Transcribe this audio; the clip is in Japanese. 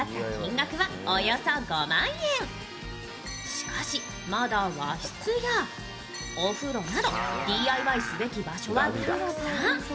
しかし、まだ和室やお風呂などＤＩＹすべき場所はたくさん。